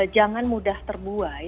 jangan mudah terbuai